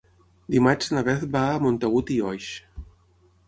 Dimarts na Beth va a Montagut i Oix.